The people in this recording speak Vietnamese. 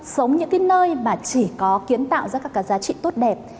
sống những cái nơi mà chỉ có kiến tạo ra các cái giá trị tốt đẹp